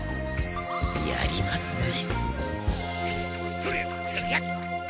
やりますね。